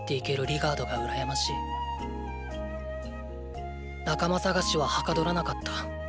リガードが羨ましい仲間探しははかどらなかった。